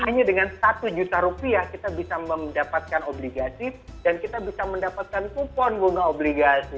hanya dengan satu juta rupiah kita bisa mendapatkan obligasi dan kita bisa mendapatkan kupon bunga obligasi